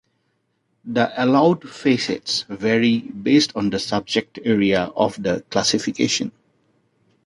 The allowed facets vary based on the subject area of the classification.